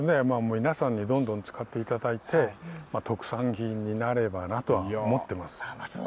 皆さんにどんどん使っていただいて、特産品になればなとは思ってます。